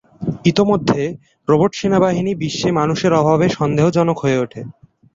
ইতোমধ্যে, রোবট সেনাবাহিনী বিশ্বে মানুষের অভাবে সন্দেহজনক হয়ে ওঠে।